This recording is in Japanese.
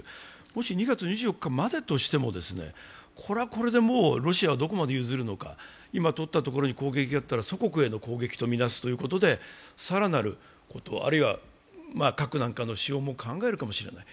もし２月２４日までとしてもこれはこれでロシアはどこまで譲るのか、今取ったところに攻撃があったら祖国への攻撃とみなすということで更なる、あるいは核なんかの使用も考えるかもしれない。